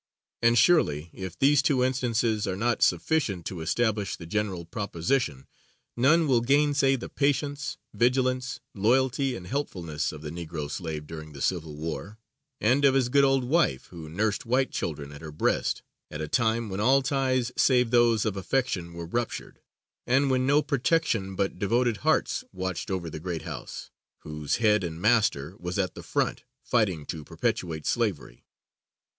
And, surely, if these two instances are not sufficient to establish the general proposition, none will gainsay the patience, vigilance, loyalty and helpfulness of the Negro slave during the Civil War, and of his good old wife who nursed white children at her breast at a time when all ties save those of affection were ruptured, and when no protection but devoted hearts watched over the "great house," whose head and master was at the front, fighting to perpetuate slavery.